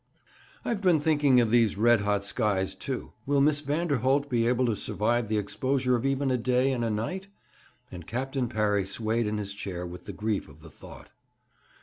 'I have been thinking of these red hot skies, too. Will Miss Vanderholt be able to survive the exposure of even a day and a night?' And Captain Parry swayed in his chair with the grief of the thought.